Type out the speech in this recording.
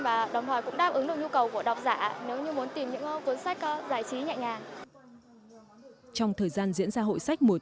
và đồng thời cũng đáp ứng được nhu cầu của đọc giả nếu như muốn tìm những cuốn sách giải trí nhẹ nhàng